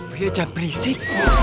wih jangan berisik